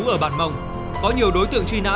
ở bản mông có nhiều đối tượng truy nã